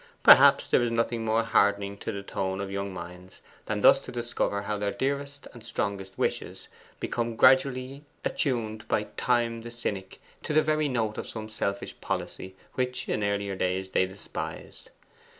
Perhaps there is nothing more hardening to the tone of young minds than thus to discover how their dearest and strongest wishes become gradually attuned by Time the Cynic to the very note of some selfish policy which in earlier days they despised.